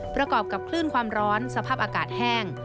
ประกอบกับคลื่นความร้อนสภาพอากาศแห้ง